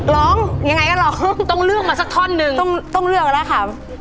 ร้องยังไงก็ร้องต้องเลือกมาสักท่อนหนึ่งต้องเลือกแล้วค่ะ